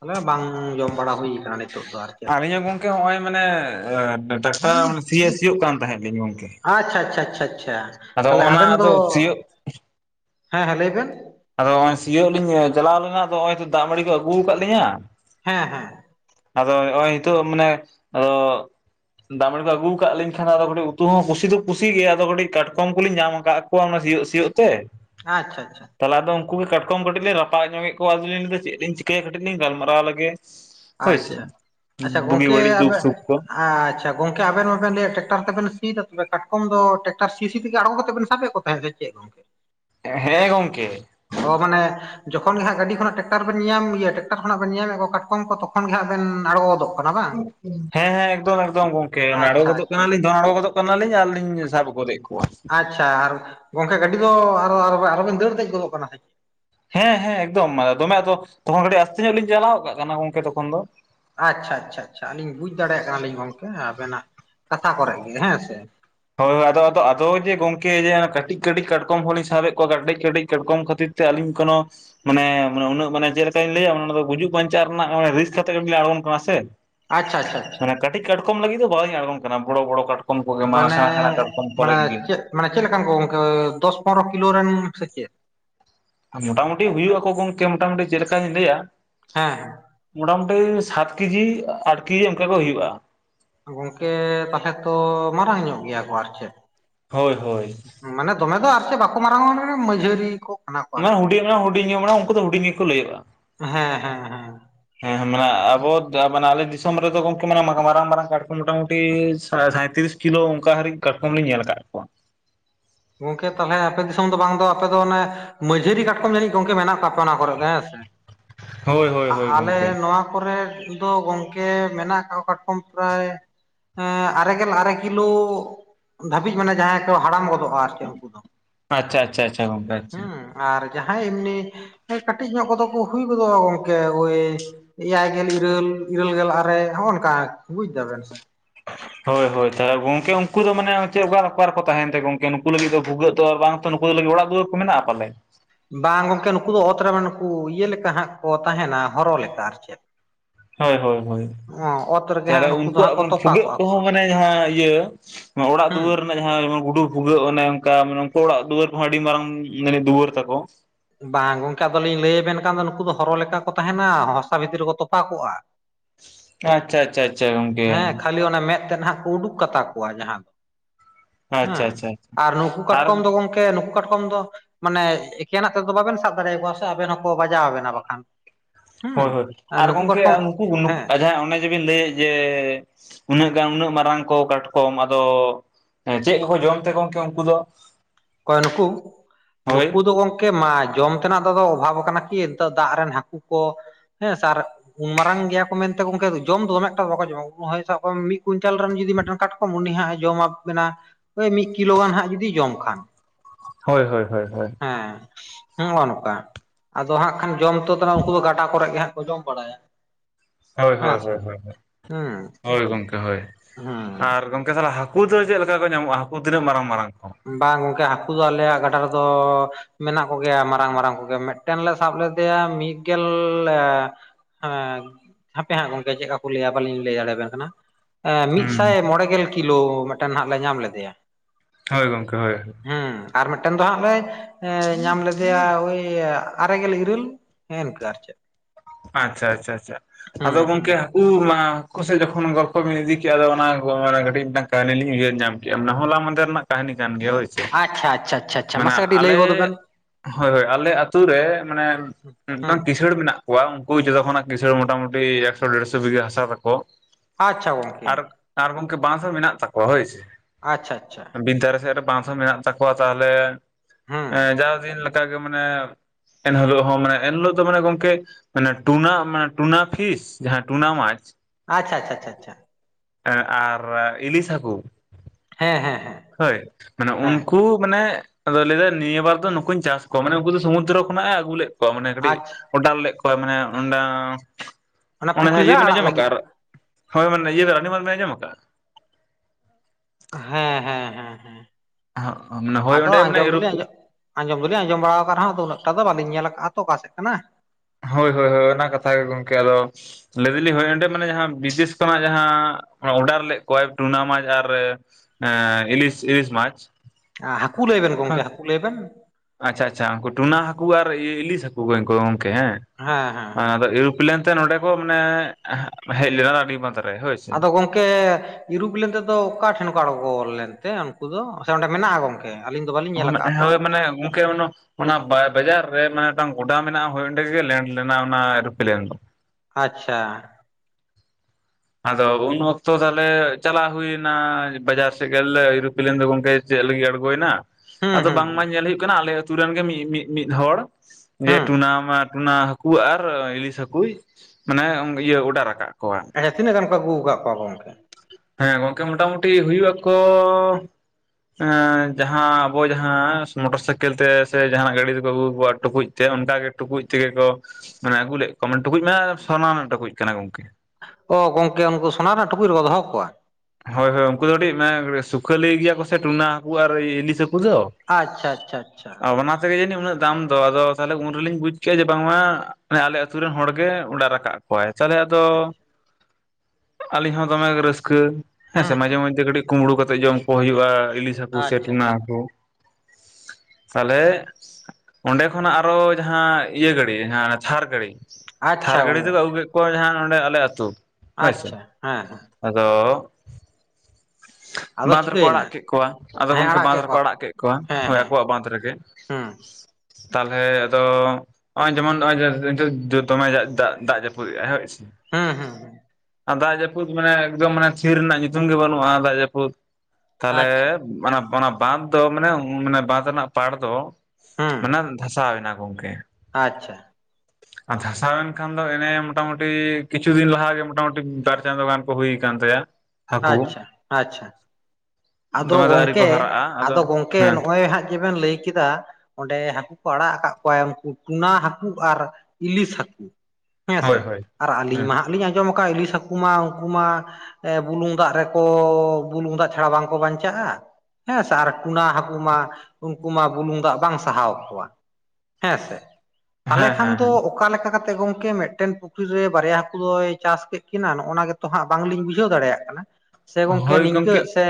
ᱫᱚᱢᱮ ᱵᱟᱝ ᱡᱚᱢ ᱵᱟᱲᱟ ᱦᱩᱭ ᱠᱟᱱᱟ ᱱᱤᱛᱚᱜ ᱫᱚ ᱟᱨ ᱪᱮᱫ ᱟᱹᱞᱤᱧ ᱦᱚᱸ ᱜᱚᱝᱠᱮ ᱦᱚᱸᱜ-ᱚᱭ ᱢᱟᱱᱮ ᱮ ᱰᱟᱠᱛᱟᱨ ᱢᱟᱱᱮ ᱥᱤ ᱮ ᱥᱤᱭᱳᱜ ᱠᱟᱱ ᱛᱟᱦᱮᱸᱫ ᱞᱤᱧ ᱜᱚᱝᱠᱮ, ᱟᱪᱪᱷᱟ, ᱪᱪᱷᱟ, ᱪᱪᱷᱟ, ᱪᱪᱷᱟ ᱟᱫᱚ ᱛᱟᱦᱞᱮ ᱚᱱᱟ ᱟᱵᱮᱱ ᱟᱫᱚ ᱫᱚ, ᱥᱤᱭᱳᱜ ᱦᱮᱸ ᱦᱮᱸ ᱞᱟᱹᱭ ᱵᱮᱱ ᱟᱫᱚ ᱦᱚᱜ-ᱚᱭ ᱥᱤᱭᱳᱜ ᱞᱤᱧ ᱪᱟᱞᱟᱣ ᱞᱮᱱᱟ ᱟᱫᱚ ᱦᱚᱜ-ᱼᱭ ᱛᱚ ᱫᱟᱜ ᱢᱟᱺᱰᱤ ᱠᱚ ᱟᱹᱜᱩ ᱠᱟᱫ ᱞᱤᱧᱟ ᱾ ᱦᱮᱸ ᱦᱮᱸ ᱟᱫᱚ ᱦᱚᱜᱼᱚᱭ ᱦᱤᱛᱚᱜ ᱢᱟᱱᱮ ᱟᱫᱚ, ᱫᱟᱜ ᱢᱟᱰᱤ ᱠᱚ ᱟᱹᱜᱩ ᱠᱟᱫ ᱞᱤᱧ ᱠᱷᱟᱱ ᱟᱫᱚ ᱠᱟᱹᱴᱤᱡ ᱩᱛᱩ ᱦᱚᱸ ᱠᱩᱥᱤ ᱫᱚ ᱠᱩᱥᱤ ᱜᱮ ᱟᱫᱚ ᱠᱟᱹᱴᱤᱡ ᱠᱟᱴᱠᱚᱢ ᱠᱚᱞᱤᱧ ᱧᱟᱢ ᱠᱟᱫ ᱠᱚᱣᱟ ᱚᱱᱟ ᱥᱤᱭᱳᱜ ᱥᱤᱭᱳᱜ ᱛᱮ, ᱟᱪᱪᱷᱟ ᱟᱪᱪᱷᱟ ᱛᱟᱦᱚᱞᱮ ᱟᱫᱚ ᱩᱱᱠᱩ ᱜᱮ ᱠᱟᱴᱠᱚᱢ ᱠᱟᱹᱴᱤᱡ ᱞᱤᱧ ᱨᱟᱯᱟᱜ ᱧᱚᱜ ᱮᱫ ᱠᱚᱣᱟ ᱟᱫᱚ ᱞᱤᱧ ᱞᱟᱹᱭᱫᱟ ᱪᱮᱫ ᱞᱤᱧ ᱪᱤᱠᱟᱹᱭᱟ ᱠᱟᱹᱴᱤᱡ ᱞᱤᱧ ᱜᱟᱞᱢᱟᱨᱟᱣ ᱞᱮᱜᱮ᱾ ᱦᱳᱭ ᱥᱮ ᱟᱪᱪᱷᱟ, ᱟᱪᱪᱷᱟ ᱵᱩᱜᱤ ᱜᱚᱝᱠᱮ ᱵᱟᱹᱲᱤᱡ ᱫᱩᱠ ᱟᱵᱮ ᱥᱩᱠ ᱠᱚ ᱟᱪᱪᱷᱟ ᱜᱚᱝᱠᱮ ᱟᱵᱮᱱ ᱢᱟ ᱵᱮᱱ ᱞᱟᱹᱭᱮᱫ ᱴᱮᱠᱟᱨ ᱛᱮᱵᱮᱱ ᱥᱤᱭᱮᱟᱫᱟ ᱛᱚᱵᱮ ᱠᱟᱴᱠᱚᱢ ᱫᱚ ᱴᱨᱟᱠᱴᱟᱨ ᱥᱤ ᱥᱤ ᱛᱮᱜᱮ ᱟᱬᱜᱳ ᱠᱟᱛᱮ ᱵᱮᱱ ᱥᱟᱵᱮᱫ ᱠᱚ ᱛᱟᱦᱮᱜ ᱥᱮ ᱪᱮᱫ? ᱦᱮᱸ ᱜᱚᱢᱠᱮ ᱚ ᱢᱟᱱᱮ ᱡᱚᱠᱷᱚᱱ ᱜᱮ ᱦᱟᱸᱜ ᱜᱟᱹᱰᱤ ᱠᱷᱱᱟᱜ ᱴᱮᱠᱴᱟᱨ ᱵᱮᱱ ᱧᱮᱧᱟᱢ ᱤᱭᱟᱹ ᱴᱮᱠᱴᱟᱨ ᱠᱷᱚᱱᱟᱜ ᱵᱮᱱ ᱧᱮᱧᱟᱢᱮᱫ ᱠᱚᱣᱟ ᱠᱟᱴᱠᱚᱢ ᱠᱚ ᱛᱚᱠᱷᱚᱱ ᱜᱮ ᱦᱟᱸᱜ ᱵᱮᱱ ᱟᱬᱜᱚ ᱜᱚᱫᱚᱜ ᱠᱟᱱᱟ ᱵᱟᱝ ᱦᱮᱸ ᱦᱮᱸ ᱮᱠᱫᱚᱢ ᱮᱠᱫᱚᱢ ᱜᱚᱝᱠᱮ ᱟᱬᱜᱚ ᱟᱪᱪᱷᱟ ᱜᱚᱫᱚᱜ ᱟᱪᱪᱷᱟ ᱠᱟᱱᱟᱞᱤᱧ ᱫᱚᱱ ᱟᱬᱚ ᱜᱚᱫᱚᱜ ᱠᱟᱱᱟᱞᱤᱧ ᱟᱨᱞᱤᱧ ᱥᱟᱵ ᱜᱚᱫᱮᱫ ᱠᱚᱣᱟ᱾ ᱟᱪᱪᱷᱟ ᱟᱨ ᱜᱚᱝᱠᱮ ᱜᱟᱹᱰᱤ ᱫᱚ ᱟᱨᱚ ᱟᱨᱚᱵᱮᱱ ᱫᱟᱹᱲ ᱫᱮᱡ ᱜᱚᱫᱚᱜ ᱠᱟᱱᱟ ᱥᱮᱪᱮᱫ? ᱦᱮᱸ ᱦᱮᱸ ᱮᱠᱫᱚᱢ ᱫᱚᱢᱮ ᱟᱫᱚ ᱛᱚᱠᱷᱚᱱ ᱠᱟᱹᱴᱤᱡ ᱟᱥᱛᱮ ᱧᱚᱜ ᱞᱤᱧ ᱪᱟᱞᱟᱣ ᱜᱚᱜ ᱠᱟᱜ ᱠᱟᱱᱟ ᱜᱚᱝᱠᱮ ᱛᱚᱠᱷᱚᱱ ᱫᱚ᱾ ᱟᱪᱪᱷᱟ ᱟᱪᱪᱷᱟ ᱟᱪᱪᱷᱟ ᱟᱹᱞᱤᱧ ᱵᱩᱡ ᱫᱟᱲᱮᱭᱟᱜ ᱠᱟᱱᱟᱞᱤᱧ ᱜᱚᱝᱠᱮ ᱟᱵᱮᱱᱟᱜ ᱠᱟᱛᱷᱟ ᱠᱚᱨᱮ ᱜᱮ ᱦᱮᱸ ᱥᱮ᱾ ᱦᱳᱭ ᱦᱳ ᱟᱫᱚ ᱟᱫᱚ ᱟᱫᱚᱳ ᱡᱮ ᱜᱚᱝᱠᱮ ᱡᱮ ᱠᱟᱹᱴᱤᱡ ᱠᱟᱹᱴᱤᱡ ᱠᱟᱴᱠᱚᱢ ᱦᱚᱞᱤᱧ ᱥᱟᱵᱮᱫ ᱠᱚᱣᱟ ᱠᱟᱹᱴᱤᱡ ᱠᱟᱹᱴᱤᱡ ᱠᱟᱴᱠᱚᱢ ᱠᱷᱟᱹᱛᱤᱨ ᱛᱮ ᱟᱹᱞᱤᱧ ᱠᱚᱱᱳ ᱢᱟᱱᱮ ᱢᱟᱱᱮ ᱩᱱᱟᱹᱜ ᱢᱟᱱᱮ ᱪᱮᱫ ᱞᱮᱠᱟᱧ ᱞᱟᱹᱭᱟ ᱚᱱᱟ ᱫᱚ ᱜᱩᱡᱩᱜ ᱵᱟᱧᱪᱟᱜ ᱨᱮᱱᱟᱜ ᱨᱤᱥᱠ ᱠᱟᱛᱮᱜ ᱜᱮ ᱜᱮᱞᱤᱧ ᱟᱬᱜᱚᱱ ᱠᱟᱱᱟ ᱥᱮ, ᱟᱪᱪᱷᱟ ᱟᱪᱪᱷᱟ ᱟᱪᱪᱷᱟ ᱠᱟᱴᱤᱡ ᱠᱟᱴᱠᱚᱢ ᱞᱟᱹᱜᱤᱫ ᱫᱚ ᱵᱟᱹᱞᱤᱧ ᱟᱬᱜᱚᱱ ᱠᱟᱱᱟ ᱵᱚᱲᱚ ᱵᱚᱲᱚ ᱠᱟᱴᱠᱚᱢ ᱠᱚᱜᱮ ᱢᱟᱱᱮ ᱥᱮᱬᱟ ᱥᱮᱬᱟ ᱠᱟᱴᱠᱚᱢ ᱠᱚ ᱢᱟᱱᱮ ᱞᱟᱹᱜᱤᱫ ᱜᱮ᱾ ᱪᱮᱫ ᱢᱟᱱᱮ ᱪᱮᱫ ᱞᱮᱠᱟᱱ ᱠᱚ ᱜᱚᱝᱠᱮ ᱫᱚᱥ ᱯᱚᱱᱨᱚ ᱠᱤᱞᱳ ᱨᱮᱱ ᱥᱮ ᱪᱮᱫ? ᱢᱚᱴᱟᱢᱩᱴᱤ ᱦᱩᱭᱩᱜ ᱟᱠᱚ ᱜᱚᱝᱠᱮ ᱢᱚᱴᱟᱢᱩᱴᱤ ᱪᱮᱫ ᱞᱮᱠᱟᱧ ᱞᱟᱹᱭᱟ, ᱦᱮᱸ ᱢᱳᱴᱟᱢᱩᱴᱤ ᱥᱟᱛ ᱠᱮᱡᱤ ᱟᱴ ᱠᱮᱡᱤ ᱚᱱᱠᱟ ᱠᱚ ᱦᱩᱭᱩᱜᱼᱟ᱾ ᱜᱚᱝᱠᱮ ᱛᱟᱦᱚᱞᱮ ᱛᱚ ᱢᱟᱨᱟᱝ ᱧᱚᱜ ᱜᱮᱭᱟ ᱠᱚ ᱟᱨ ᱪᱮᱫ᱾ ᱦᱳᱭ ᱦᱳᱭ ᱢᱟᱱᱮ ᱫᱚᱢᱮ ᱫᱚ ᱟᱨ ᱪᱮᱫ ᱵᱟᱠᱚ ᱢᱟᱨᱟᱝᱚᱜᱼᱟ ᱢᱟᱱᱮ ᱢᱟᱹᱡᱷᱟᱹᱨᱤ ᱠᱚ, ᱠᱟᱱᱟ ᱠᱚ [unintelligible] ᱟᱨ ᱪᱮᱫ ᱦᱩᱰᱤᱧ ᱢᱟᱱᱮ ᱦᱩᱰᱤᱧ ᱧᱚᱜ ᱢᱟᱱᱮ ᱩᱱᱠᱩ ᱫᱚ ᱦᱩᱰᱤᱧ ᱜᱮᱠᱚ ᱞᱟᱹᱭᱟᱹᱜᱼᱟ᱾ ᱦᱮᱸ ᱦᱮᱸ ᱦᱮᱸ ᱦᱮᱸ ᱦᱮᱸ ᱢᱟᱱᱮ ᱟᱵᱚ [unintelligible] ᱢᱟᱱᱮ ᱟᱞᱮ ᱫᱤᱥᱚᱢ ᱨᱮᱫᱚ ᱜᱚᱝᱠᱮ ᱢᱟᱱᱮ [unintelligible] ᱢᱟᱨᱟᱝ ᱢᱟᱨᱟᱝ ᱠᱟᱴᱠᱚᱢ ᱢᱚᱴᱟᱢᱩᱴᱤ ᱥᱟᱭ ᱥᱟᱭᱛᱨᱤᱥ ᱠᱤᱞᱳ ᱚᱱᱠᱟ ᱦᱟᱹᱨᱤᱡ ᱠᱟᱴᱠᱚᱢ ᱞᱤᱧ ᱧᱮᱞ ᱠᱟᱫ ᱠᱚᱣᱟ᱾ ᱜᱚᱝᱠᱮ ᱛᱟᱦᱚᱞᱮ ᱟᱯᱮ ᱫᱤᱥᱚᱢ ᱫᱚ ᱵᱟᱝ ᱫᱚ ᱟᱯᱮ ᱫᱚ ᱚᱱᱮ ᱢᱟᱺᱡᱷᱟᱹᱨᱤ ᱠᱟᱴᱠᱚᱢ ᱡᱟᱹᱱᱤᱡ ᱜᱚᱝᱠᱮ ᱢᱮᱱᱟᱜ ᱠᱟᱜ ᱯᱮ ᱚᱱᱟ ᱠᱚᱨᱮ ᱫᱚ ᱦᱮᱸ ᱥᱮ? ᱦᱳᱭ ᱦᱳᱭ ᱦᱳᱭ ᱟᱞᱮ ᱜᱚᱝᱠᱮ᱾ ᱱᱚᱣᱟ ᱠᱚᱨᱮ ᱫᱚ ᱜᱚᱝᱠᱮ ᱢᱮᱱᱟᱜ ᱟᱠᱟᱜ ᱠᱚ ᱠᱟᱴᱠᱚᱢ ᱯᱨᱟᱭ ᱟᱨᱮ ᱜᱮᱞ ᱟᱨᱮ ᱠᱤᱞᱳ ᱫᱷᱟᱹᱵᱤᱡ ᱢᱟᱱᱮ ᱡᱟᱦᱟᱸᱭ ᱠᱚ ᱦᱟᱲᱟᱢ ᱜᱚᱫᱚᱜᱼᱟ᱾ ᱟᱨᱠᱤ ᱩᱱᱠᱩ ᱫᱚ ᱟᱪᱪᱷᱟ ᱟᱪᱪᱷᱟ ᱟᱪᱪᱷᱟ ᱜᱚᱝᱠᱮ ᱟᱪᱪᱷᱟ ᱦᱩᱸ ᱟᱨ ᱡᱟᱦᱟᱸᱭ ᱮᱢᱱᱤ ᱠᱟᱹᱴᱤᱡ ᱧᱚᱜ ᱠᱚᱫᱚ ᱠᱚ ᱦᱩᱭ ᱜᱚᱫᱚᱜᱼᱟ ᱜᱚᱝᱠᱮ ᱳᱭ ᱮᱭᱟᱭ ᱜᱮᱞ ᱤᱨᱟᱹᱞ ᱤᱨᱟᱹᱞ ᱜᱮᱞ ᱟᱨᱮ ᱦᱚᱜᱼ ᱱᱚᱝᱠᱟ ᱵᱩᱡ ᱫᱟᱵᱮᱱ ᱥᱮ? ᱦᱳᱭ ᱦᱳᱭ ᱛᱟᱦᱚᱞᱮ ᱜᱚᱝᱠᱮ ᱩᱱᱠᱩ ᱫᱚ ᱢᱟᱱᱮ ᱪᱮᱫ ᱚᱠᱟ ᱚᱠᱟ ᱨᱮᱠᱚ ᱛᱟᱦᱮᱱ ᱛᱮ ᱜᱚᱝᱠᱮ ᱱᱩᱠᱩ ᱞᱟᱹᱜᱤᱫ ᱫᱚ ᱵᱷᱩᱜᱟᱹᱜ ᱫᱚ ᱟᱨ ᱵᱟᱝ ᱱᱩᱠᱩ ᱫᱚ ᱞᱟᱹᱜᱤᱛ ᱚᱲᱟᱜ ᱫᱩᱣᱟᱹᱨ ᱠᱚ ᱢᱮᱱᱟᱜᱼᱟ ᱯᱟᱞᱮ? ᱵᱟᱝ ᱜᱚᱝᱠᱮ ᱱᱩᱠᱩ ᱫᱚ ᱚᱛ ᱨᱮ ᱱᱩᱠᱩ ᱤᱭᱟᱹ ᱞᱮᱠᱟ ᱦᱟᱸᱜ ᱠᱚ ᱛᱟᱦᱮᱱᱟ ᱦᱚᱨᱚ ᱞᱮᱠᱟ ᱟᱨ ᱪᱮᱫ᱾ ᱦᱳᱭ ᱦᱳᱭ ᱦᱳᱭ ᱚᱛ ᱨᱮᱜᱮ ᱛᱟᱦᱚᱞᱮ ᱦᱟᱸᱜ ᱱᱩᱠᱩ ᱫᱚ ᱩᱱᱠᱩᱣᱟᱜ ᱦᱟᱸᱜ ᱠᱚ ᱢᱟ ᱛᱚᱯᱟ ᱵᱷᱩᱜᱟᱹᱜ ᱠᱚᱜᱼᱟ ᱠᱚ ᱠᱚᱦᱚᱸ ᱢᱟᱱᱮ ᱡᱟᱦᱟᱸ ᱤᱭᱟᱹ, ᱚᱲᱟᱜ ᱦᱩᱸ ᱫᱩᱣᱟᱹᱨ ᱨᱮᱱᱟᱜ ᱡᱟᱦᱟᱸ ᱡᱮᱢᱚᱱ ᱜᱩᱰᱩ ᱵᱷᱩᱜᱟᱹᱜ ᱚᱱᱮ ᱚᱱᱠᱟ ᱢᱟᱱᱮ ᱩᱱᱠᱩ ᱚᱲᱟᱜ ᱫᱩᱣᱟᱹᱨ ᱠᱚᱦᱚᱸ ᱟᱹᱰᱤ ᱢᱟᱨᱟᱝ ᱢᱟᱱᱮ ᱫᱩᱣᱟᱹᱨ ᱛᱟ ᱠᱚ? ᱵᱟᱝ ᱜᱚᱝᱠᱮ ᱟᱫᱚᱞᱤᱧ ᱞᱟᱹᱭ ᱟᱵᱮᱱ ᱠᱟᱱ ᱫᱚ ᱱᱩᱠᱩ ᱫᱚ ᱦᱚᱨᱚ ᱞᱮᱠᱟ ᱠᱚ ᱛᱟᱦᱮᱱᱟ, ᱦᱚᱨᱟᱥᱟ ᱵᱷᱤᱛᱨ ᱨᱮ ᱠᱚ ᱛᱚᱯᱟ ᱠᱚᱜᱼᱟ᱾ ᱟᱪᱪᱷᱟ ᱟᱪᱪᱷᱟ ᱟᱪᱪᱷᱟ ᱜᱚᱝᱠᱮ᱾ ᱦᱮᱸ ᱠᱷᱟᱹᱞᱤ ᱚᱱᱟ ᱢᱮᱫ ᱛᱮᱫ ᱱᱟᱦᱟᱸᱜ ᱠᱚ ᱩᱰᱩᱠ ᱠᱟᱛᱟ ᱠᱚᱣᱟ ᱡᱟᱦᱟᱸ ᱫᱚ, ᱟᱪᱪᱷᱟ ᱦᱮᱸ ᱟᱪᱪᱷᱟ ᱟᱨ ᱱᱩᱠᱩ ᱟᱨ ᱠᱟᱴᱠᱚᱢ ᱫᱚ ᱜᱚᱝᱠᱮ ᱱᱩᱠᱩ ᱠᱟᱴᱠᱚᱢ ᱫᱚ ᱢᱟᱱᱮ, ᱮᱠᱮᱱᱟᱜ ᱛᱮᱫᱚ ᱵᱟᱵᱮᱱ ᱥᱟᱵ ᱫᱟᱲᱮᱭᱟᱠᱚᱣᱟ ᱥᱮ ᱟᱵᱮᱱ ᱦᱚᱸᱠᱚ ᱵᱟᱡᱟᱣᱣᱟᱵᱮᱱᱟ ᱵᱟᱠᱷᱟᱱ᱾ ᱦᱩᱸ ᱦᱳᱭ ᱦᱳᱭ ᱟᱨ ᱱᱩᱠᱩ ᱜᱚᱝᱠᱮ ᱠᱟᱴᱠᱚᱢ ᱱᱩᱠᱩ ᱜᱩ ᱠᱩ ᱦᱮᱸ ᱡᱟᱦᱟᱸᱭᱟᱜ ᱚᱱᱮ ᱡᱮᱵᱤᱱ ᱞᱟᱹᱭᱮᱫ ᱡᱮ ᱩᱱᱟᱹᱜ ᱜᱟᱱ ᱩᱱᱟᱹᱜ ᱢᱟᱨᱟᱝ ᱠᱚ ᱠᱟᱴᱠᱚᱢ ᱟᱫᱚ ᱦᱮᱸ ᱪᱮᱫ ᱠᱚᱠᱚ ᱡᱚᱢ ᱛᱮ ᱠᱚ ᱜᱚᱝᱠᱮ ᱩᱱᱠᱩ ᱫᱚ ᱚᱠᱚᱭ ᱱᱩᱠᱩ ᱱᱩᱠᱩ ᱦᱳᱭ ᱫᱚ ᱜᱚᱝ ᱠᱮ ᱢᱟ ᱡᱚᱢ ᱛᱮᱱᱟᱜ ᱛᱮ ᱫᱚ ᱚᱵᱷᱟᱵ ᱠᱟᱱᱟ ᱠᱤ ᱱᱤᱛᱚᱜ ᱫᱟᱜ ᱨᱮᱱ ᱦᱟᱹᱠᱩ ᱠᱚ ᱦᱮᱸ ᱥᱟᱨ ᱩᱱ ᱢᱟᱨᱟᱝ ᱜᱮᱭᱟ ᱠᱚ ᱢᱮᱱᱛᱮ ᱜᱚᱝᱠᱮ ᱟᱫ ᱡᱚᱢ ᱫᱚ ᱫᱚᱢᱮ ᱫᱚ ᱵᱟᱠᱚ ᱡᱚᱢᱟ ᱥᱟᱵ ᱠᱟᱜ ᱢᱮ ᱢᱤᱫ ᱠᱩᱭᱱᱴᱟᱞ ᱨᱮᱱ ᱡᱩᱫᱤ ᱢᱤᱫᱴᱟᱝ ᱠᱟᱴ ᱩᱱᱤ ᱦᱟᱸᱜ ᱮ ᱡᱚᱢᱟ [unintelligible] ᱯᱮᱱᱟ ᱳᱭ ᱢᱤᱫ ᱠᱤᱞᱳ ᱜᱟᱱ ᱦᱟᱸᱜ ᱡᱩᱫᱤ ᱡᱚᱢ ᱠᱷᱟᱱ ᱦᱳᱭ ᱦᱳᱭ ᱦᱳᱭ ᱦᱳᱭ ᱦᱮᱸ ᱦᱩᱸ ᱦᱩ ᱚᱱᱠᱟ ᱟᱫᱚ ᱦᱟᱸᱜ ᱠᱷᱟᱱ ᱡᱚᱢ ᱛᱚ ᱩᱱᱠᱩ ᱫᱚ ᱜᱟᱰᱟ ᱠᱚᱨᱮᱜ ᱜᱮ ᱦᱟᱸᱜ ᱠᱚ ᱡᱚᱢ ᱵᱟᱲᱟᱭᱟ ᱦᱳᱭ ᱦᱮᱸ ᱥᱮ ᱦᱳᱭ ᱦᱩᱸ ᱦᱳᱭ ᱜᱚᱝᱠᱮ ᱦᱳᱭ ᱦᱩᱸ ᱟᱨ ᱜᱚᱝᱠᱮ ᱛᱟᱦᱚᱞᱮ ᱦᱟᱹ ᱠᱩ ᱫᱚ ᱪᱮᱫ ᱞᱮᱠᱟ ᱠᱚ ᱧᱟᱢᱚᱜ ᱦᱟᱹᱠᱩ ᱛᱤᱱᱟᱹᱜ ᱢᱟᱨᱟᱝ ᱢᱟᱨᱟᱝ ᱠᱚ ᱵᱟᱝ ᱜᱚᱝᱠᱮ ᱦᱟᱹᱠᱩ ᱫᱚ ᱟᱞᱮᱭᱟᱜ ᱜᱟᱰᱟ ᱨᱮᱫᱚ ᱢᱮᱱᱟᱜ ᱠᱚᱜᱮᱭᱟ ᱢᱟᱨᱟᱝ ᱢᱟᱨᱟᱝ ᱠᱚᱜᱮ ᱢᱮᱫᱴᱮᱱ ᱞᱮ ᱥᱟᱵ ᱞᱮᱫᱮᱭᱟ ᱢᱤᱫ ᱜᱮᱞ ᱮ ᱦᱮᱸ ᱦᱟᱯᱮ ᱦᱟᱸᱜ ᱜᱚᱝᱠᱮ ᱪᱮᱫᱠᱟ ᱠᱚ ᱞᱟᱹᱭᱟ ᱵᱟᱹᱞᱤᱧ ᱞᱟᱹᱭ ᱫᱟᱲᱮᱭᱟᱵᱮᱱ ᱠᱟᱱᱟ ᱢᱤᱫᱥᱟᱭ ᱦᱩᱸ ᱢᱚᱬᱮ ᱜᱮᱞ ᱠᱤᱞᱳ ᱢᱮᱫᱴᱮᱱ ᱦᱟᱜ ᱞᱮ ᱧᱟᱢ ᱞᱮᱫᱮᱭᱟ ᱦᱳᱭ ᱜᱚᱝᱠᱮ ᱦᱳᱭ ᱦᱮᱸ ᱟᱨ ᱢᱮᱫᱴᱮᱱ ᱫᱚ ᱦᱟᱸᱜ ᱞᱮ ᱧᱟᱢ ᱞᱮᱫᱮᱭᱟ ᱳᱭ ᱟᱨᱮᱜᱮᱞ ᱤᱨᱟᱹᱞ ᱦᱮ ᱮᱱᱠᱟ ᱟᱨ ᱪᱮᱫ ᱟᱪᱪᱷᱟ ᱟᱪᱪᱷᱟ ᱟᱪᱪᱷᱟ ᱦᱩᱸ ᱟᱫᱚ ᱦᱩᱸ ᱜᱚᱝᱠᱮ ᱩ ᱢᱟ ᱟᱠ ᱥᱮᱫ ᱡᱚᱠᱷᱚᱱ ᱜᱚᱞᱯᱚ ᱵᱤᱱ ᱤᱫᱤ ᱠᱮᱫ ᱟᱫᱚ ᱚᱱᱟ ᱠᱟᱹᱴᱤᱡ ᱢᱤᱫᱴᱟᱝ ᱠᱟᱹᱦᱱᱤ ᱞᱤᱧ ᱩᱭᱦᱟᱹᱨ ᱧᱟᱢ ᱢᱱᱮ ᱦᱚᱞᱟ ᱢᱟᱫᱷᱮᱨ ᱨᱮᱱᱟᱜ ᱠᱟᱹᱦᱱᱤ ᱠᱟᱱ ᱜᱮᱭᱟ ᱦᱩᱭ ᱟᱪᱪᱷᱟ ᱟᱪᱪᱷᱟ ᱪᱷᱟ ᱪᱷᱟ ᱢᱟᱥᱮ ᱠᱟᱹᱴᱤᱡ ᱞᱟᱹᱭ ᱜᱚᱫ ᱵᱮᱱ ᱦᱳᱭ ᱦᱳᱭ ᱟᱞᱮ ᱟᱛᱳ ᱨᱮ ᱢᱟᱱᱮ ᱦᱩᱸ ᱢᱮᱫᱴᱟᱝ ᱠᱤᱥᱟᱹᱬ ᱢᱮᱱᱟᱜ ᱠᱚᱣᱟ ᱩᱱᱠᱩ ᱡᱚᱛᱚ ᱠᱷᱚᱱᱟᱜ ᱠᱤᱥᱟᱹᱬ ᱢᱚᱴᱟᱢᱩᱴᱤ ᱮᱠᱥᱚ ᱰᱮᱲᱥᱚ ᱵᱤᱜᱷᱟᱹ ᱦᱟᱥᱟ ᱛᱟᱠᱚ ᱟᱪᱪᱷᱟ ᱜᱚᱝᱠᱮ ᱟᱨ ᱟᱨ ᱜᱚᱢᱠᱮ ᱵᱟᱸᱥ ᱦᱚᱸ ᱢᱮᱱᱟᱜ ᱛᱟᱠᱚᱣᱟ ᱦᱳᱭ ᱥᱮ ᱟᱪᱪᱷᱟ ᱟᱪᱪᱷᱟ ᱵᱤᱫᱽ ᱫᱷᱟᱨᱮ ᱥᱮᱫ ᱨᱮ ᱵᱟᱸᱫᱷ ᱦᱸ ᱢᱮᱱᱟᱜ ᱛᱟᱠᱚᱣᱟ ᱛᱟᱦᱚᱞᱮ ᱮᱸ ᱦᱮᱸ ᱡᱟᱣ ᱫᱤᱱ ᱞᱮᱠ ᱛᱟᱜ ᱢᱟᱱᱮ ᱮᱱᱦᱤᱞᱳᱜ ᱦᱚᱸ ᱢᱟᱱᱮ ᱮᱱᱦᱤᱞᱳᱜ ᱫᱚ ᱢᱟᱱᱮ ᱜᱚᱝᱠᱮ ᱮᱱᱮ ᱴᱩᱱᱟᱹᱜ ᱢᱟᱱᱮ ᱴᱩᱱᱟ ᱯᱷᱤᱥ ᱡᱟᱦᱟᱸ ᱴᱩᱱᱟ ᱢᱟᱪᱷ ᱟᱪᱪᱷᱟ ᱪᱷᱟ ᱪᱷᱟ ᱪᱷᱟ ᱮᱸ ᱟᱨ ᱤᱞᱤᱥ ᱦᱟᱹᱠᱩ ᱦᱮᱸ ᱦᱮᱸ ᱦᱮᱸ ᱦᱳᱭ ᱢᱟᱱᱮ ᱦᱮᱸ ᱩᱱᱠᱩ ᱢᱟᱱᱮ ᱟᱫᱚ ᱞᱟᱹᱭ ᱫᱟᱭ ᱱᱤᱭᱟᱹ ᱵᱟᱨ ᱫᱚ ᱱᱩᱠᱩᱧ ᱪᱟᱥ ᱠᱚᱣᱟ ᱢᱟᱱᱮ ᱩᱱᱠᱩ ᱫᱚ ᱥᱚᱢᱩᱫᱨᱚ ᱠᱷᱚᱱᱟᱜᱼᱮ ᱟᱹᱜᱩ ᱞᱮᱫ ᱠᱚᱣᱟ ᱢᱟᱱᱮ ᱠᱟᱹᱴᱤᱡ ᱟᱪᱪᱷᱟ ᱚᱰᱟᱨ ᱞᱮᱫ ᱠᱚᱣᱟᱭ ᱢᱟᱱᱮ ᱚᱱᱟ ᱚᱱᱟ ᱚᱱᱮ ᱦᱟᱜ ᱯᱩᱠᱷᱨᱤ ᱨᱮ ᱤᱭᱟᱹ ᱵᱮᱱ ᱟᱲᱟᱜ ᱟᱸᱡᱚᱢ ᱟᱠᱟᱫᱼᱟ ᱞᱟᱹᱜᱤᱫ ᱟᱨ ᱦᱳᱭ ᱢᱟᱱᱮ ᱤᱭᱟᱹ ᱨᱟᱱᱤᱵᱟᱱᱫᱷ ᱵᱮᱱ ᱟᱸᱡᱚᱢ ᱟᱠᱟᱜᱼᱟ ᱦᱮᱸ ᱦᱮᱸ ᱦᱮᱸ ᱦᱮᱸ ᱦᱚᱸ ᱢᱟᱱᱮ ᱦᱳᱭ ᱟᱫᱚ ᱚᱸᱰᱮ ᱟᱸᱡᱚᱢ ᱢᱟᱱᱮ ᱨᱩᱯ ᱫᱚᱞᱤᱧ ᱟᱸᱡᱚᱢ ᱟᱸᱡᱚᱢ ᱫᱚᱞᱤᱧ ᱟᱸᱡᱚᱢ ᱵᱟᱲᱟ ᱟᱠᱟᱫ ᱨᱮᱦᱚᱸ ᱟᱫᱚ ᱩᱱᱟᱹᱜᱴᱟ ᱫᱚ ᱵᱟᱞᱤᱧ ᱧᱮᱞ ᱟᱠᱟᱫᱼᱟ ᱛᱚ ᱚᱠᱟ ᱥᱮᱫ ᱠᱟᱱᱟ ᱦᱳᱭ ᱦᱳᱭ ᱦᱳᱭ ᱚᱱᱟ ᱠᱟᱛᱷᱟ ᱜᱮ ᱜᱚᱝᱠᱮ ᱟᱫᱚ ᱞᱟᱹᱭ ᱫᱟᱞᱤᱧ ᱦᱳᱭ ᱚᱸᱰᱮ ᱢᱟᱱᱮ ᱡᱟᱦᱟᱸ ᱵᱤᱫᱮᱥ ᱠᱷᱚᱱᱟᱜ ᱡᱟᱦᱟᱸ ᱚᱰᱟᱨ ᱞᱮᱫ ᱠᱚᱣᱟᱭ ᱴᱩᱱᱟ ᱢᱟᱪᱷ ᱟᱨ ᱤᱞᱤᱥ ᱤᱞᱤᱥ ᱢᱟᱪᱷ ᱦᱟᱹᱠᱩ ᱞᱟᱹᱭ ᱵᱮᱱ ᱜᱚᱝᱠᱮ ᱦᱟᱹᱠᱩ ᱞᱟᱹᱭ ᱵᱮᱱ ᱟᱪᱪᱷᱟ ᱟᱪᱪᱷᱟ ᱩᱱᱠᱩ ᱴᱩᱱᱟ ᱦᱟᱹᱠᱩ ᱟᱨ ᱤᱞᱤᱥ ᱦᱟᱹᱠᱩ ᱜᱮ ᱜᱚᱝᱠᱮ ᱦᱮᱸ ᱦᱮᱸ ᱦᱮᱸ ᱦᱮᱸ ᱟᱨ ᱯᱞᱮᱱ ᱛᱮ ᱱᱚᱰᱮ ᱠᱚ ᱢᱟᱱᱮ ᱦᱮᱡ ᱞᱮᱱᱟ ᱨᱟᱱᱤᱵᱟᱸᱫᱷ ᱨᱮ ᱦᱳᱭ ᱥᱮ ᱟᱫᱚ ᱜᱚᱝ ᱜᱚᱢᱠᱮ ᱤᱨᱩᱯᱞᱮᱱ ᱛᱮᱫᱚ ᱚᱠᱟ ᱴᱷᱮᱱ ᱠᱚ ᱟᱬᱜᱚ ᱞᱮᱱᱛᱮ ᱩᱱᱠᱩ ᱫᱚ ᱥᱮ ᱚᱸᱰᱮ ᱢᱮᱱᱟᱜᱼᱟ ᱜᱚᱝᱠᱮ ᱟᱹᱞᱤᱧ ᱫᱚ ᱵᱟᱞᱤᱧ ᱦᱚᱸ ᱢᱟᱱᱮ ᱦᱳᱭ ᱢᱟᱱᱮ ᱚᱱᱚ ᱚᱱᱟ ᱵᱟᱡᱟᱨ ᱨᱮ ᱢᱟᱱᱮ ᱢᱤᱫ ᱴᱟᱝ ᱜᱚᱰᱟ ᱢᱮᱱᱟᱜᱼᱟ ᱦᱳᱭ ᱚᱸᱰᱮ ᱜᱮ ᱞᱮᱱᱰ ᱞᱮᱱᱟ ᱚᱱᱟ ᱮᱨᱳᱯᱞᱮᱱ ᱫᱚ ᱟᱪᱪᱷᱟ ᱟᱫᱚ ᱩᱱ ᱚᱠᱛᱚ ᱛᱟᱦᱞᱮ ᱪᱟᱞᱟ ᱦᱩᱭᱱᱟ ᱵᱟᱡᱟᱨ ᱥᱮᱫ ᱜᱮ ᱤᱨᱩᱯᱞᱮᱱ ᱫᱚ ᱜᱚᱝᱠᱮ ᱪᱮᱫ ᱞᱟᱹᱜᱤᱫ ᱟᱬᱜᱚᱭᱱᱟ ᱦᱩᱸ ᱟᱫᱚ ᱦᱩᱸ ᱵᱟᱝ ᱢᱟ ᱦᱩᱸ ᱧᱮᱞ ᱦᱩᱭᱩᱜ ᱠᱟᱱᱟ ᱟᱞᱮ ᱟᱹᱛᱩ ᱨᱮᱱ ᱜᱮ ᱢᱤ ᱢᱤ ᱢᱤᱫ ᱦᱚᱲ ᱦᱩᱸ ᱴᱩᱱᱟ ᱢᱟ ᱴᱩᱱᱟ ᱦᱟᱹᱠᱩ ᱟᱨ ᱤᱞᱤᱥ ᱦᱟᱹᱠᱩᱭ ᱢᱟᱱᱮ ᱤᱭᱟᱹ ᱚᱰᱟᱨ ᱟᱠᱟᱫ ᱠᱚᱣᱟ ᱦᱮᱸ ᱛᱤᱱᱟᱹᱜ ᱜᱟᱱ ᱠᱚ ᱟᱹᱜᱩ ᱟᱠᱟᱫ ᱠᱚᱣᱟ ᱜᱚᱢᱠᱮ ᱦᱮᱸ ᱜᱚᱝᱠᱮ ᱢᱚᱴᱟ ᱢᱩᱴᱤ ᱦᱩᱭᱩᱜ ᱟᱠᱚ ᱡᱟᱦᱟᱸ ᱟᱵᱚ ᱡᱟᱦᱟᱸ ᱢᱚᱴᱚᱨ ᱥᱟᱭᱠᱮᱞ ᱛᱮ ᱥᱮ ᱡᱟᱦᱟᱱᱟᱜ ᱜᱟᱹᱰᱤ ᱛᱮᱠᱚ ᱟᱹᱜᱩ ᱠᱚᱣᱟ ᱴᱩᱠᱩᱡ ᱡᱮ ᱚᱱᱠᱟ ᱜᱮ ᱴᱩᱠᱩᱡ ᱛᱮᱜᱮ ᱠᱚ ᱢᱟᱱᱮ ᱟᱹᱜᱩ ᱞᱮᱫ ᱠᱚᱣᱟ ᱢᱟᱱᱮ ᱴᱩᱠᱩᱡ ᱢᱟᱱᱮ ᱥᱚᱱᱟ ᱨᱮᱱᱟᱜ ᱴᱩᱠᱩᱡ ᱠᱟᱱᱟ ᱜᱚᱝᱠᱮ ᱚᱸ ᱜᱚᱝᱠᱮ ᱩᱱᱠᱩ ᱥᱚᱱᱟ ᱨᱮᱱᱟᱜ ᱴᱩᱠᱩᱡ ᱨᱮᱠᱚ ᱫᱚᱦᱚ ᱠᱚᱣᱟ ᱦᱳᱭ ᱦᱳᱭ ᱩᱱᱠᱩ ᱫᱚ ᱠᱟᱹᱴᱤᱡ ᱢᱟᱱᱮ ᱥᱩᱠᱷᱟᱹ ᱞᱟᱹᱭᱟ ᱜᱮᱭᱟ ᱠᱚᱥᱮ ᱴᱩᱱᱱᱟ ᱦᱟᱹᱠᱩ ᱟᱨ ᱤᱞᱤᱥ ᱦᱟᱹᱠᱩ ᱫᱚ ᱟᱪᱪᱷᱟ ᱟᱪᱪᱷᱟ ᱟᱪᱪᱷᱟ ᱚᱱᱟ ᱛᱮᱜᱮ ᱡᱟᱹᱱᱤᱡ ᱩᱱᱟᱹᱜ ᱫᱟᱢ ᱫᱚ ᱟᱫᱚ ᱛᱟᱦᱚᱞᱮ ᱩᱱᱨᱮᱞᱤᱧ ᱵᱩᱡᱽ ᱠᱮᱫᱼᱟ ᱡᱮ ᱵᱟᱝᱢᱟ ᱢᱟᱱᱮ ᱟᱞᱮ ᱟᱛᱩᱨ ᱨᱮᱱ ᱦᱚᱲ ᱜᱮ ᱚᱰᱟᱨ ᱟᱠᱟᱜᱼᱟ ᱠᱚ ᱦᱳᱭ ᱛᱟᱦᱚᱞᱮ ᱟᱫᱚ ᱟᱪᱪᱷᱟ ᱟᱹᱞᱤᱧ ᱦᱚᱸ ᱫᱚᱢᱮ ᱨᱟᱹᱥᱠᱟᱹ ᱦᱮᱸᱥᱮ ᱦᱮᱸ ᱦᱮᱸ ᱢᱟᱡᱷᱮ ᱢᱚᱫᱫᱷᱮ ᱠᱟᱹᱴᱤᱡ ᱠᱩᱢᱵᱽᱲᱩ ᱠᱟᱛᱮᱜ ᱡᱚᱢ ᱠᱚ ᱦᱩᱭᱩᱜᱼᱟ ᱤᱞᱤᱥ ᱦᱟᱹᱠᱩ ᱥᱮ ᱟᱪᱪᱷᱟ ᱴᱩᱱᱟ ᱟᱪᱪᱷᱟ ᱦᱟᱹᱠᱩ ᱛᱟᱦᱚᱞᱮ ᱚᱸᱰᱮ ᱠᱷᱚᱱᱟᱜ ᱟᱨᱚ ᱡᱟᱦᱟᱸ ᱤᱭᱟᱹ ᱜᱟᱹᱲᱤ ᱡᱟᱦᱟᱸ ᱛᱷᱟᱨ ᱜᱟᱹᱲᱤ ᱛᱷᱟᱨ ᱟᱪᱪᱷᱟ ᱜᱟᱹᱲᱤ ᱜᱚᱝᱠᱮ ᱛᱮᱠᱚ ᱟᱹᱜᱩ ᱠᱮᱫ ᱠᱚᱣᱟ ᱡᱟᱦᱟᱸ ᱱᱚᱸᱰᱮ ᱟᱞᱮ ᱟᱹᱛᱩ ᱦᱳᱭᱥᱮ ᱟᱪᱪᱷᱟ ᱦᱮᱸ ᱦᱮᱸ ᱟᱫᱚ ᱟᱫᱚ ᱵᱟᱸᱫᱷ ᱨᱮᱠᱚ ᱪᱤᱠᱟᱹᱭᱮᱱᱟ ᱟᱲᱟᱜ ᱠᱮᱫ ᱠᱚᱣᱟ ᱟᱫᱚ ᱦᱮᱸ ᱜᱚᱢᱠᱮ ᱵᱟᱸᱫᱽ ᱨᱮᱠᱚ ᱠᱚᱣᱟ ᱠᱚ ᱟᱲᱟᱜ ᱠᱮᱫ ᱠᱚᱣᱟ ᱦᱮᱸ ᱦᱳᱭ ᱦᱮᱸ ᱟᱠᱚᱣᱟᱜ ᱵᱟᱸᱫᱷ ᱨᱮᱜᱮ ᱦᱩᱸ ᱛᱟᱦᱚᱞᱮ ᱟᱫᱚ ᱚᱜᱼᱚᱭ ᱡᱮᱢᱚᱱ ᱱᱚᱜᱼᱚᱭ ᱫᱚᱢᱮ ᱫᱟᱜ ᱫᱟᱜ ᱡᱟᱹᱯᱩᱫ ᱮᱼᱟᱭ ᱦᱳᱭ ᱥᱮ ᱦᱩᱸ ᱦᱩᱸ ᱦᱩᱸ ᱫᱟᱭ ᱡᱟᱹᱯᱩᱛ ᱢᱟᱱᱮ ᱮᱠᱫᱚᱢ ᱢᱟᱱᱮ ᱛᱷᱤᱨ ᱨᱮᱱᱟᱜ ᱧᱩᱛᱩᱢ ᱜᱮ ᱵᱟᱹᱱᱩᱜᱼᱟ ᱫᱟᱜ ᱡᱟᱹᱯᱩᱫ ᱛᱟᱦᱚᱞᱮ ᱟᱪᱪᱷᱟ ᱢᱟᱱᱮ ᱚᱱᱟ ᱵᱟᱸᱫᱽ ᱫᱚ ᱢᱟᱱᱮ ᱢᱟᱱᱮ ᱵᱟᱸᱫᱽ ᱨᱮᱱᱟᱜ ᱯᱟᱴ ᱫᱚ ᱦᱩᱸ ᱢᱟᱱᱮ ᱫᱷᱟᱥᱟᱣ ᱮᱱᱟ ᱜᱚᱝᱠᱮ ᱟᱪᱪᱷᱟ ᱟᱨ ᱫᱷᱟᱥᱟᱣ ᱮᱱ ᱠᱷᱟᱱ ᱫᱚ ᱮᱱᱮ ᱢᱚᱴᱟ ᱢᱩᱴᱤ ᱠᱤᱪᱷᱩ ᱫᱤᱱ ᱞᱟᱦᱟ ᱜᱮ ᱢᱚᱴᱟ ᱢᱩᱴᱤ ᱵᱟᱨ ᱪᱟᱸᱫᱳ ᱜᱟᱱ ᱠᱚ ᱦᱩᱭ ᱟᱠᱟᱱ ᱛᱟᱭᱟ ᱦᱟᱹᱠᱩ ᱟᱪᱪᱷᱟ ᱟᱪᱪᱷᱟ ᱟᱫᱚ ᱫᱚᱢᱮ ᱫᱚ ᱟᱹᱣᱨᱤ ᱠᱚ ᱜᱚᱝᱠᱮ ᱦᱟᱨᱟᱜᱼᱟ ᱟᱫᱚ ᱜᱚᱝᱠᱮ ᱦᱮᱸ ᱱᱚᱜᱼᱚᱭ ᱦᱟᱸᱜ ᱡᱮᱵᱮᱱ ᱞᱟᱹᱭ ᱠᱮᱫᱟ ᱚᱸᱰᱮ ᱦᱟᱹᱠᱩ ᱠᱚ ᱟᱲᱟᱜ ᱟᱠᱟᱫ ᱠᱚᱣᱟ ᱩᱱᱠᱩ ᱴᱩᱱᱟ ᱦᱟᱹᱠᱩ ᱟᱨ ᱤᱞᱤᱥ ᱦᱟᱹᱠᱩ ᱦᱮᱸᱥᱮ ᱦᱳᱭ ᱦᱳᱭ ᱟᱨ ᱟᱹᱞᱤᱧ ᱦᱮᱸ ᱢᱟ ᱦᱟᱸᱜ ᱞᱤᱧ ᱟᱸᱡᱚᱢ ᱟᱠᱟᱜ-ᱟ ᱤᱞᱤᱥ ᱦᱟᱹᱠᱩ ᱢᱟ ᱩᱱᱠᱩ ᱢᱟ ᱮᱸ ᱵᱩᱞᱩᱝ ᱫᱟᱜ ᱨᱮᱠᱚ ᱵᱩᱞᱩᱝ ᱫᱟᱜ ᱪᱷᱟᱲᱟ ᱵᱟᱝᱠᱚ ᱵᱟᱧᱪᱟᱜᱼᱟ ᱦᱮᱸ ᱥᱮ ᱟᱨ ᱴᱩᱱᱟ ᱦᱟᱹᱠᱩ ᱢᱟ ᱩᱱᱠᱩ ᱢᱟ ᱵᱩᱞᱩᱝ ᱫᱟᱜ ᱵᱟᱝ ᱥᱟᱦᱟᱣ ᱠᱚᱣᱟ ᱦᱮᱸ ᱥᱮ ᱛᱟᱦᱚᱞᱮ ᱦᱮᱸ ᱠᱷᱟᱱ ᱦᱮᱸ ᱫᱚ ᱦᱮᱸ ᱚᱠᱟ ᱞᱮᱠᱟ ᱠᱟᱛᱮᱜ ᱜᱚᱢᱠᱮ ᱢᱤᱫᱴᱮᱱ ᱯᱩᱠᱷᱨᱤ ᱨᱮ ᱵᱟᱨᱭᱟ ᱦᱟᱹᱠᱩᱭ ᱫᱚᱭ ᱪᱟᱥ ᱠᱮᱫ ᱠᱤᱱᱟ ᱱᱚᱜᱼᱚᱱᱟ ᱜᱮᱛᱚ ᱦᱟᱸᱜ ᱵᱟᱝᱞᱤᱧ ᱵᱩᱡᱷᱟᱹᱣ ᱫᱟᱲᱮᱭᱟᱜ ᱠᱟᱱᱟ ᱥᱮ ᱜᱚᱢᱠᱮ ᱱᱤᱝᱠᱟᱹ ᱥᱮ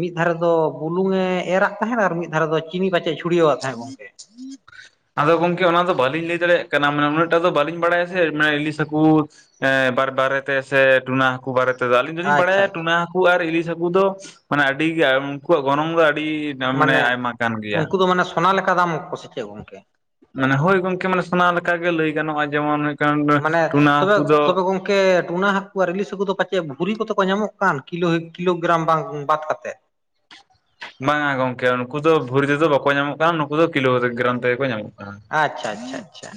ᱢᱤᱫ ᱫᱷᱟᱨᱮ ᱫᱚ ᱵᱩᱞᱩᱝ ᱮ ᱮᱨᱟᱜ ᱛᱟᱦᱮᱸᱫ ᱟᱨ ᱢᱤᱫ ᱫᱷᱟᱨᱮ ᱫᱚ ᱪᱤᱱᱤ ᱯᱟᱪᱮᱫ ᱮ ᱪᱷᱩᱲᱭᱟᱹᱣᱟᱜ ᱛᱟᱦᱮᱸᱫ ᱜᱚᱝᱠᱮ [inaudible] ᱟᱫᱚ ᱜᱚᱢᱠᱮ ᱚᱱᱟ ᱫᱚ ᱵᱟᱹᱞᱤᱧ ᱞᱟᱹᱭ ᱫᱟᱲᱮᱭᱟᱜ ᱠᱟᱱᱟ ᱢᱱᱮ ᱩᱱᱟᱹᱜᱴᱟᱜ ᱫᱚ ᱵᱟᱹᱞᱤᱧ ᱵᱟᱲᱟᱭᱟ ᱥᱮ ᱤᱞᱤᱥ ᱦᱟᱹᱠᱩ ᱮ ᱵᱟᱨ ᱵᱟᱨᱮᱛᱮ ᱥᱮ ᱴᱩᱱᱟ ᱦᱟᱹᱠᱩ ᱵᱟᱨᱮ ᱛᱮᱫᱚ ᱟᱹᱞᱤᱧ ᱫᱚᱞᱤᱧ ᱟᱪᱪᱷᱟ ᱵᱟᱲᱟᱭᱟ ᱟᱪᱪᱷᱟ ᱴᱩᱱᱟ ᱦᱟᱹᱠᱩ ᱦᱟᱹᱠᱩ ᱟᱨ ᱤᱞᱤᱥ ᱦᱟᱹᱠᱩ ᱫᱚ ᱢᱟᱱᱮ ᱟᱹᱰᱤ ᱜᱮ ᱩᱱᱠᱩᱣᱟᱜ ᱜᱚᱱᱚᱝ ᱫᱚ ᱟᱹᱰᱤ ᱢᱟᱱᱮ ᱟᱭᱢᱟ ᱠᱟᱱ ᱜᱮᱭᱟ ᱚᱱᱟ ᱞᱮᱠᱟ ᱫᱟᱢ.. [unintelligible] ᱪᱮᱫ ᱜᱚᱢᱠᱮ ᱢᱟᱱᱮ ᱦᱳᱭ ᱜᱚᱢᱠᱮ ᱢᱟᱱᱮ ᱥᱳᱱᱟ ᱞᱮᱠᱟᱜᱮ ᱞᱟᱹᱭ ᱜᱟᱱᱚᱜᱼᱟ ᱡᱮᱢᱚᱱ ᱦᱩᱭᱩᱜ-ᱠᱟᱱ ᱴᱩᱱᱟ ᱦᱟᱠᱩ ᱫᱚ ᱜᱚᱢᱠᱮ ᱴᱩᱱᱟ ᱦᱟᱹᱠᱩ ᱟᱨ ᱦᱟᱹᱠᱩ ᱫᱚ ᱯᱟᱪᱮᱫ ᱵᱷᱩᱨᱤ ᱠᱚᱛᱮ ᱠᱚ ᱧᱟᱢᱚᱜ ᱠᱟᱱ ᱠᱤᱞᱳ ᱠᱤᱞᱳᱜᱨᱟᱢ ᱵᱟᱝ ᱵᱟᱫ ᱠᱟᱛᱮᱫ ᱵᱟᱝᱼᱟ ᱜᱚᱢᱠᱮ ᱱᱩᱠᱩ ᱫᱚ ᱵᱷᱩᱨᱤ ᱛᱮᱫᱚ ᱵᱟᱠᱚ ᱧᱟᱢᱚᱜ ᱠᱟᱱᱟ ᱱᱩᱠᱩ ᱫᱚ ᱠᱤᱞᱳ ᱜᱨᱟᱢ ᱛᱮᱜᱮ ᱠᱚ ᱧᱟᱢᱚᱜ ᱠᱟᱱᱟ ᱟᱪᱪᱷᱟ ᱟᱪᱪᱷᱟ ᱟᱪᱪᱷᱟ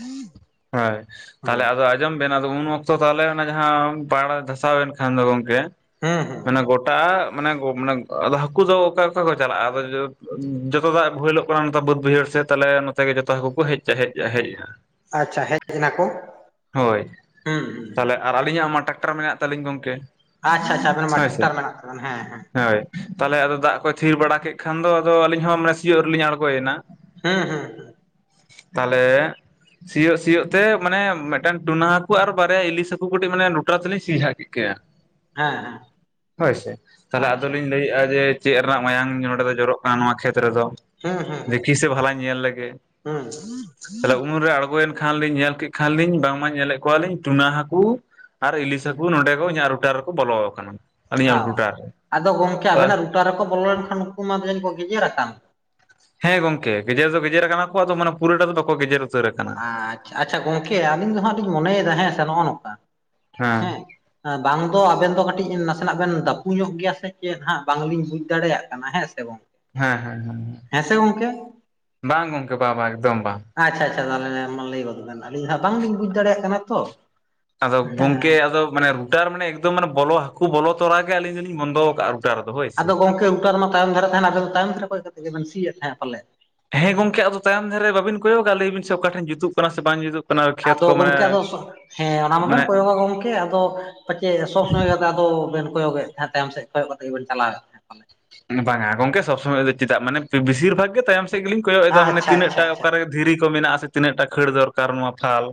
ᱦᱳᱭ ᱦᱩᱸ ᱛᱟᱦᱮ ᱟᱫᱚ ᱟᱸᱡᱚᱢ ᱵᱮᱱ ᱩᱱ ᱚᱠᱛᱚ ᱛᱟᱦᱚᱞᱮ ᱚᱱᱟ ᱡᱟᱦᱟᱸ ᱯᱟᱲ ᱫᱷᱟᱥᱟᱣ ᱮᱱ ᱠᱷᱟᱱ ᱫᱚ ᱜᱚᱢᱠᱮ ᱦᱮᱸ ᱦᱮᱸ ᱢᱟᱱᱮ ᱜᱚᱴᱟ ᱢᱟᱱᱮ ᱢᱟᱱᱮ ᱟᱫᱚ ᱦᱟᱹᱠᱩ ᱫᱚ ᱚᱠᱟ ᱚᱠᱟ ᱠᱚ ᱪᱟᱞᱟᱜᱼᱟ ᱟᱫᱚ ᱡᱚᱛᱚ ᱫᱟᱜ ᱵᱳᱦᱮᱞ-ᱜ [unintelligible] ᱵᱟᱹᱫ ᱵᱟᱹᱭᱦᱟᱹᱲ ᱥᱮᱫ ᱛᱟᱦᱚᱞᱮ ᱱᱚᱛᱮ ᱜᱮ ᱡᱚᱛᱚ ᱦᱟᱹᱠᱩ ᱠᱚ ᱦᱮᱡᱥᱟ ᱦᱮᱡ ᱦᱮᱡᱱᱟ᱾ ᱟᱪᱪᱷᱟ ᱦᱮᱡ ᱮᱱᱟ ᱠᱚ᱾ ᱦᱳᱭ ᱦᱩᱸ ᱦᱩᱸ ᱛᱟᱦᱚᱞᱮ ᱟᱨ ᱟᱹᱞᱤᱧᱟᱜ ᱢᱟ ᱴᱨᱟᱠᱴᱟᱨ ᱢᱮᱱᱟᱜ ᱛᱟᱹᱞᱤᱧ ᱜᱚᱢᱠᱮ᱾ ᱟᱪᱪᱷᱟ ᱟᱪᱷᱟ ᱟᱵᱮᱱ ᱢᱟ ᱴᱨᱟᱠᱴᱟᱨ ᱢᱮᱱᱟᱜ ᱛᱵᱮᱱ ᱦᱮᱸ ᱦᱮᱸ᱾ ᱦᱳᱭ ᱛᱟᱦᱚᱞᱮ ᱟᱫᱚ ᱫᱟᱜ ᱠᱚ ᱛᱷᱤᱨ ᱵᱟᱲᱟ ᱠᱮᱫ ᱠᱷᱟᱱ ᱫᱚᱫᱚ ᱟᱹᱞᱤᱧᱦᱚᱸ ᱢᱟᱱᱮ ᱥᱤᱭᱳᱜ ᱨᱮᱞᱤᱧ ᱟᱬᱜᱚᱭ ᱭᱮᱱᱟ᱾ ᱦᱮᱸ ᱦᱮᱸ ᱛᱟᱦᱚᱞᱮ ᱥᱤᱭᱳᱜ ᱥᱤᱭᱳᱜ ᱛᱮ ᱢᱟᱱᱮ ᱢᱤᱫᱴᱮᱱ ᱴᱩᱱᱟ ᱦᱟᱹᱠᱩ ᱟᱨ ᱵᱟᱨᱭᱟ ᱤᱞᱤᱥ ᱦᱟᱹᱠᱩ ᱠᱟᱹᱴᱤᱡ ᱢᱟᱱᱮ ᱞᱩᱴᱨᱟ ᱛᱮᱞᱤᱧ ᱥᱤᱡᱷᱟᱲ ᱠᱮᱫ ᱠᱤᱱᱟ, ᱦᱮᱸ ᱦᱮᱸ ᱦᱳᱭᱥᱮ ᱛᱟᱞᱦᱮ ᱟᱪᱪᱷᱟ ᱟᱫᱚᱞᱤᱧ ᱞᱟᱹᱭᱮᱜᱼᱟ ᱡᱮ ᱪᱮᱫ ᱨᱮᱱᱟᱜ ᱢᱟᱭᱟᱝ ᱱᱚᱰᱮ ᱫᱚ ᱡᱚᱨᱚᱜ ᱠᱟᱱᱟ ᱱᱚᱣᱟ ᱠᱷᱮᱛ ᱨᱮᱫᱚ, ᱦᱩᱸ ᱦᱩᱸ ᱫᱤᱠᱤᱥᱮ ᱵᱷᱟᱞᱟᱧ ᱧᱮᱞ ᱞᱮᱜᱮ ᱦᱩᱸ ᱛᱟᱦᱚᱞᱮ ᱩᱱᱢᱨᱮ ᱟᱬᱜᱚᱭᱮᱱ ᱠᱷᱟᱱᱞᱤᱧ ᱧᱮᱞ ᱠᱮᱫ ᱠᱷᱟᱱᱞᱤᱧ ᱵᱟᱝᱢᱟ ᱧᱮᱞᱮᱫ ᱠᱚᱣᱟᱞᱤᱧ ᱴᱩᱱᱟᱹ ᱦᱟᱹᱠᱩ ᱟᱨ ᱤᱞᱤᱥ ᱦᱩᱸ ᱦᱟᱹᱠᱩ ᱱᱚᱸᱰᱮ ᱠᱚ ᱤᱧᱟᱹᱜ ᱨᱩᱴᱟᱨ ᱠᱚ ᱵᱚᱞᱚ ᱟᱠᱟᱱᱟ᱾ ᱚ ᱟᱹᱞᱤᱧᱟᱜ ᱨᱩᱴᱟᱨ ᱟᱫᱚ ᱜᱚᱢᱠᱮ ᱨᱮ ᱟᱵᱮᱱᱟᱜ ᱨᱩᱴᱟ ᱨᱮᱠᱚ ᱵᱚᱞᱚ ᱞᱮᱱ ᱠᱷᱟᱱ ᱩᱱᱠᱩ ᱢᱟ ᱡᱟᱹᱱᱤᱡ ᱠᱚ ᱜᱮᱡᱮᱨ ᱟᱠᱟᱱ? ᱦᱮᱸ ᱜᱚᱢᱠᱮ ᱜᱮᱡᱮᱨ ᱫᱚ ᱜᱮᱡᱮᱨ ᱠᱟᱱᱟ ᱠᱚ ᱟᱫᱚ ᱢᱟᱱᱮ ᱯᱩᱨᱟᱹᱴᱟ ᱫᱚ ᱵᱟᱠᱚ ᱜᱮᱡᱮᱨ ᱩᱛᱟᱹᱨ ᱟᱠᱟᱱᱟ ᱟᱪᱪᱷᱟ ᱟᱪᱪᱷᱟ ᱜᱚᱢᱠᱮ ᱟᱹᱞᱤᱧ ᱫᱚ ᱦᱟᱸᱜ ᱞᱤᱧ ᱢᱚᱱᱮᱭᱮᱫᱟ ᱦᱮᱸ ᱱᱚᱜᱼᱚ ᱱᱚᱝᱠᱟ ᱦᱮᱸ ᱵᱟᱝ ᱫᱚ ᱟᱵᱮᱱ ᱫᱚ ᱠᱟᱹᱴᱤᱡ ᱱᱟᱥᱮᱱᱟᱜ ᱵᱮᱱ ᱫᱟᱯᱩ ᱧᱚᱜ ᱜᱮᱭᱟ ᱥᱮ ᱪᱮᱫ ᱦᱟᱸᱜ ᱵᱟᱝᱞᱤᱧ ᱵᱩᱡ ᱫᱟᱲᱮᱭᱟᱜ ᱠᱟᱱᱟ ᱦᱮᱸ ᱥᱮ ᱜᱚᱢᱠᱮ, ᱦᱮᱸ ᱦᱮᱸ ᱦᱚᱸ ᱵᱟᱝ ᱜᱚᱢᱠᱮ ᱵᱟᱵᱟᱝ ᱮᱠᱫᱚᱢ ᱵᱟᱝ᱾ ᱟᱪᱪᱷᱟ ᱟᱪᱪᱷᱟ ᱛᱟᱦᱚᱞᱮ ᱢᱟ ᱞᱟᱹᱭ ᱜᱚᱫ ᱵᱮᱱ ᱟᱹᱞᱤᱧ ᱱᱟᱜ ᱵᱟᱝᱞᱤᱧ ᱵᱩᱡᱽ ᱫᱟᱲᱮᱭᱟᱜ ᱠᱟᱱᱟ ᱛᱚ, ᱟᱫᱚ ᱜᱚᱢᱠᱮ ᱦᱮᱸ ᱟᱫᱚ ᱢᱟᱱᱮ ᱨᱩᱴᱟᱨ ᱢᱟᱱᱮ ᱮᱠᱫᱚᱢ ᱢᱟᱱᱮ ᱵᱚᱞᱚ ᱦᱠᱩ ᱵᱚᱞᱚ ᱛᱚᱨᱟᱜ ᱜᱮ ᱟᱞᱤᱧ ᱫᱚᱞᱤᱧ ᱵᱚᱱᱫᱚ ᱟᱠᱟᱫᱼᱟ᱾ ᱟᱫᱚ ᱜᱚᱢᱠᱮ ᱨᱩᱴᱟᱨ ᱢᱟ ᱛᱟᱭᱚᱢ ᱫᱷᱟᱨᱮ ᱛᱟᱦᱮᱸᱱᱟ ᱟᱵᱮᱱ ᱫᱚ ᱛᱟᱭᱚᱢ ᱫᱷᱟᱨᱮ ᱠᱚᱭᱚᱜ ᱠᱟᱛᱮ ᱜᱮᱵᱱ ᱥᱤᱭᱮᱫ ᱛᱟᱦᱮᱸᱫᱼᱟ ᱯᱟᱞᱮ? ᱦᱮᱸ ᱜᱚᱢᱠᱮ ᱟᱫᱚ ᱛᱟᱭᱚᱢ ᱫᱷᱟᱨᱮ ᱵᱟᱵᱤᱱ ᱠᱚᱭᱚᱜᱟ ᱞᱟᱹᱭ ᱵᱤᱱ ᱥᱮ ᱚᱠᱟᱴᱷᱮᱱ ᱡᱩᱛᱩᱜ ᱠᱟᱱᱟ ᱥᱮ ᱵᱟᱝ ᱡᱩᱛᱩᱜ ᱠᱟᱱᱟ᱾ ᱠᱷᱮᱛ ᱟᱫᱚ ᱠᱚ ᱢᱟᱱᱮ ᱜᱚᱢᱠᱮ ᱟᱫᱚ ᱦᱮᱸ ᱚᱱᱟ ᱢᱟᱱᱮ ᱢᱟᱵᱮᱱ ᱠᱚᱭᱚᱜᱟ ᱜᱚᱢᱠᱮ, ᱟᱫᱚ ᱯᱟᱪᱮᱫ ᱥᱚᱵᱽ ᱥᱚᱢᱚᱭ ᱠᱟᱛᱮ ᱟᱫᱚᱵᱱ ᱠᱚᱭᱚᱜᱮᱫ ᱛᱟᱦᱮᱸᱫ ᱛᱟᱭᱚᱢ ᱥᱮᱫ ᱠᱚᱭᱚᱜ ᱠᱟᱛᱮ ᱜᱮᱵᱮᱱ ᱪᱟᱞᱟᱣᱮᱫ, ᱛᱟᱦᱮᱸᱫ ᱯᱟᱞᱮ ᱵᱟᱝᱟ ᱜᱚᱢᱠᱮ ᱥᱚᱵᱽ ᱥᱚᱢᱚᱭ ᱫᱚ ᱪᱮᱫᱟᱜ ᱢᱟᱱᱮ ᱵᱮᱥᱤᱨ ᱵᱷᱟᱜᱽ ᱜᱮ ᱛᱟᱭᱚᱢ ᱥᱮᱫ ᱜᱮᱞᱤᱧ ᱠᱚᱭᱚᱜ ᱮᱫᱟ ᱢᱟᱱᱮ ᱟᱪᱪᱷᱟ ᱛᱱᱟᱹᱜ ᱟᱪᱪᱷᱟ ᱴᱟ ᱟᱪᱪᱷᱟ ᱚᱠᱟᱨᱮ ᱫᱷᱤᱨᱤ ᱠᱚ ᱢᱮᱱᱟᱜ ᱟᱥᱮ ᱛᱤᱱᱟᱹᱜ ᱴᱟ ᱠᱷᱟᱹᱲ ᱫᱚᱨᱠᱟᱨ ᱱᱚᱣᱟ ᱯᱷᱟᱞ,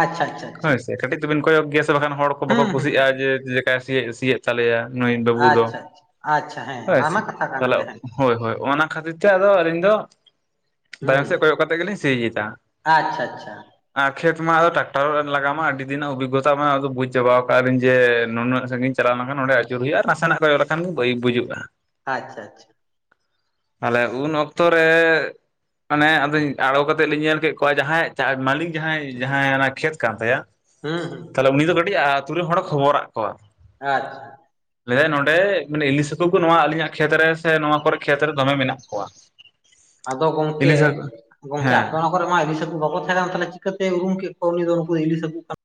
ᱟᱪᱪᱷᱟ ᱟᱪᱪᱷᱟ ᱟᱪᱪᱷᱟ ᱦᱳᱭ ᱠᱟᱹᱴᱤᱡ ᱛᱚᱵᱤᱱ ᱠᱚᱭᱚᱜᱽ ᱜᱮᱭᱟ ᱥᱮ ᱵᱟᱠᱷᱟᱱ ᱦᱚᱲ ᱠᱚ ᱵᱟᱠᱚ ᱦᱩᱸ ᱦᱩᱸ ᱠᱩᱥᱤᱜᱼᱟ ᱡᱮ ᱡᱮ ᱪᱮᱠᱟᱭ ᱥᱤ ᱥᱤᱭᱮᱫ ᱛᱟᱞᱮᱭᱟ ᱱᱩᱭ ᱵᱟᱹᱵᱩ ᱫᱚ᱾ ᱟᱪᱪᱷᱟ ᱟᱪᱪᱷᱟ ᱟᱪᱪᱷᱟ ᱦᱮᱸ ᱚᱱᱟ ᱢᱟ ᱟᱪᱪᱷᱟ ᱠᱟᱛᱷᱟ ᱠᱟᱱ ᱛᱟᱦᱚᱞᱮ ᱜᱮᱭᱟ ᱦᱮᱸ ᱦᱳᱭ ᱦᱳᱭ ᱚᱱᱟ ᱠᱷᱟᱹᱛᱤᱨ ᱛᱮ ᱟᱫᱚ ᱟᱹᱞᱤᱧ ᱫᱚ ᱛᱟᱭᱚᱢ ᱦᱩᱸ ᱥᱮᱫ ᱠᱚᱭᱚᱜ ᱠᱟᱛᱮᱜ ᱜᱮᱞᱤᱧ ᱥᱤᱭᱮᱫᱟ ᱟᱪᱪᱷᱟ ᱟᱪᱪᱷᱟ ᱾ ᱟᱨ ᱠᱷᱮᱛ ᱢᱟ ᱟᱫᱚ ᱴᱨᱟᱠᱴᱟᱨ ᱞᱟᱜᱟᱣ ᱟᱸ ᱠᱷᱮᱛ ᱢᱟ ᱴᱮᱠᱴᱟᱨ ᱞᱟᱜᱟ ᱢᱟ ᱟᱹᱰᱤ ᱫᱤᱱᱟᱜ ᱚᱵᱷᱤᱜᱚᱛᱟ ᱢᱟ ᱟᱫᱚ ᱵᱩᱡᱽ ᱪᱟᱵᱟᱣ ᱟᱠᱟᱫ ᱟᱹᱤᱧ ᱡᱮ ᱱᱩᱱᱟᱹᱜ ᱥᱟᱺᱜᱤᱧ ᱥᱟᱺᱜᱤᱧ ᱪᱟᱞᱟᱣ ᱞᱮᱠᱷᱟᱱ ᱱᱚᱰᱮ ᱟᱹᱪᱩᱨ ᱦᱩᱭᱩᱜᱼᱟ, ᱱᱟᱥᱮᱱᱟᱜ ᱠᱚᱚᱜ ᱞᱮᱠᱷᱟᱱ ᱵᱟᱹᱭ ᱵᱩᱡᱩᱜᱼᱟ᱾ ᱟᱪᱪᱷᱟ ᱟᱪᱪᱷᱟ ᱾ ᱛᱟᱦᱞᱮ ᱩᱱ ᱚᱠᱛᱚ ᱨᱮ, ᱚᱱᱮ ᱟᱫᱚᱧ ᱟᱬᱜᱚ ᱠᱟᱛᱮᱫ ᱞᱤᱧ ᱧᱮᱞ ᱠᱮᱫ ᱠᱚᱣᱟ ᱡᱟᱦᱟᱸᱭ ᱢᱟᱹᱞᱤᱠ ᱡᱟᱦᱟᱸᱭ ᱡᱟᱦᱟᱸᱭ ᱠᱷᱮᱛ ᱠᱟᱱ ᱛᱟᱭᱟ ᱾ ᱦᱮᱸ ᱦᱮᱸ᱾ ᱛᱟᱦᱚᱞᱮ ᱩᱱᱤ ᱫᱚ ᱠᱟᱹᱴᱤᱡ ᱟᱛᱳ ᱨᱮᱱ ᱦᱚᱲᱮ ᱠᱷᱚᱵᱚᱨᱟᱫ ᱠᱚᱣᱟ ᱾ ᱟᱪᱪᱷᱟ ᱾ ᱞᱟᱹᱭᱟᱭ ᱱᱚᱰᱮ ᱤᱞᱤᱥ ᱦᱟᱹᱠᱩ ᱠᱚ ᱱᱚᱣᱟ ᱟᱹᱞᱤᱧᱟᱜ ᱠᱷᱮᱛ ᱨᱮ ᱥᱮ ᱱᱚᱣᱟ ᱠᱚᱨᱮ ᱠᱷᱮᱛ ᱨᱮ ᱫᱚᱢᱮ ᱢᱮᱱᱟᱜ ᱠᱚᱣᱟ᱾ ᱟᱫᱚ ᱜᱚᱢᱠᱮ, ᱤᱞᱤᱥ ᱦᱟᱹᱠᱩ ᱜᱚᱝᱠᱮ ᱦᱮᱸ ᱟᱯᱮ ᱱᱚᱣᱟ ᱠᱚ ᱨᱮ ᱢᱟ ᱤᱞᱤᱥ ᱦᱟᱹᱠᱩ ᱵᱟᱠᱚ ᱛᱟᱦᱮᱸ ᱠᱟᱱ ᱛᱟᱦᱞᱮ ᱪᱤᱠᱟᱹᱛᱮ ᱩᱨᱩᱢ ᱠᱮᱫ ᱠᱚᱣᱟ ᱩᱱᱤ ᱫᱚ ᱱᱩᱠᱩ ᱫᱚ ᱤᱞᱤᱥ ᱦᱟᱹᱠᱩ ᱠᱟᱱᱟ?